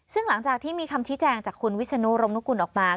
ซึ่งหลังจากที่มีคำชี้แจงจากคุณวิศนุรมนุกุลออกมา